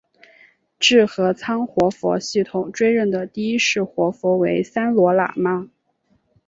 智合仓活佛系统追认的第一世活佛为三罗喇嘛。